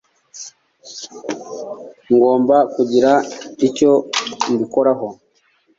ngomba kugira icyo mbikoraho